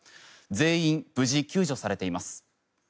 全員、無事救助されています。